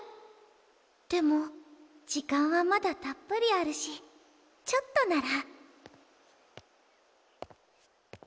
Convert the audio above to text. でも時間はまだたっぷりあるしちょっとなら。